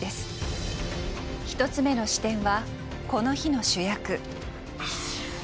１つ目の視点はこの日の主役。